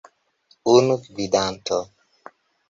Unu gvidanto!